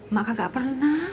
mak kagak pernah